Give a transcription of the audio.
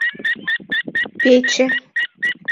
Пече.